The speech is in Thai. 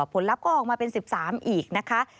ลัพธ์ก็ออกมาเป็น๑๓อีกนะคะ